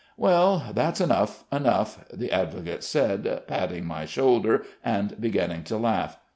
"'Well, that's enough, enough!' the advocate said, patting my shoulder and beginning to laugh.